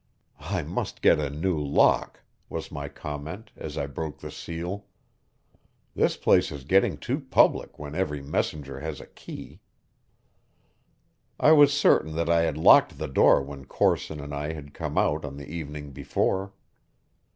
"I must get a new lock," was my comment, as I broke the seal. "This place is getting too public when every messenger has a key." I was certain that I had locked the door when Corson and I had come out on the evening before.